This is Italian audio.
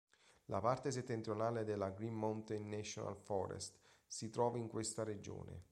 La parte settentrionale della Green Mountain National Forest si trova in questa regione.